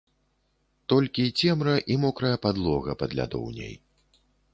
Толькі цемра і мокрая падлога пад лядоўняй.